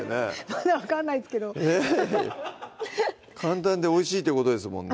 まだ分かんないですけど簡単でおいしいってことですもんね